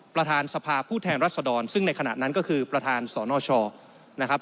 ประธานสภาผู้แทนรัศดรซึ่งในขณะนั้นก็คือประธานสนชนะครับ